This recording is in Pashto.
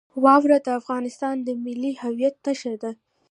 واوره د افغانستان د ملي هویت نښه ده.